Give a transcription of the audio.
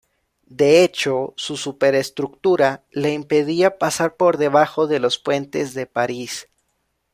De hecho, su superestructura le impedía pasar por debajo de los puentes de París.